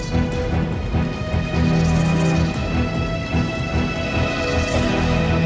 tidak ada siapa di sana